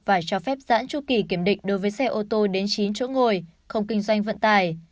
và cho phép giãn tru kỳ kiểm định đối với xe ô tô đến chín chỗ ngồi không kinh doanh vận tải